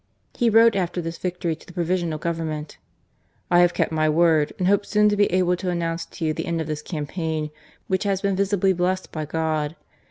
He wrote after this victory to the THE TAKING OF GUAYAQUIL. 97 Provisional Government :" I have kept my word, and hope soon to be able to announce to 3'Ou the end of this campaign which has been visibly blessed by God."